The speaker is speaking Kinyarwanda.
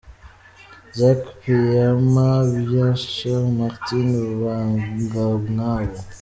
Zac Biampa : Bien Cher Martin Bangamwabo,